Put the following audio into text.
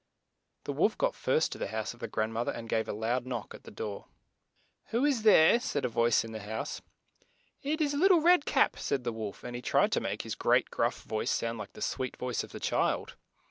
The wolf got first to the house of the grand moth er, and gave a loud knock at the door. 112 LITTLE RED CAP "Who is there?" said a voice in the house. "It is Lit tie Red Cap," said the wolf, and he tried to make his great gruff voice sound like the sweet voice of the child.